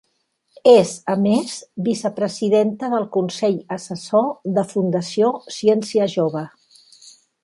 És, a més, vicepresidenta del Consell Assessor de Fundació Ciència Jove.